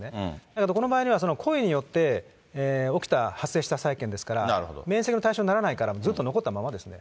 だけどこの場合には故意によって起きた発生した債権ですから、免責の対象にならないからずっと残ったままですね。